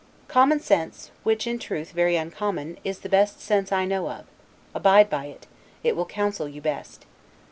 Common sense (which, in truth, very uncommon) is the best sense I know of: abide by it, it will counsel you best.